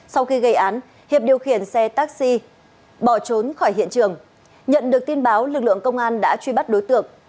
sau khi gây án hiệp điều khiển xe taxi bỏ trốn khỏi hiện trường nhận được tin báo lực lượng công an đã truy bắt đối tượng